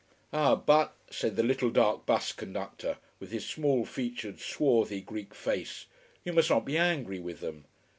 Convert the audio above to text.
Ah, but said the little dark bus conductor, with his small featured swarthy Greek face you must not be angry with them.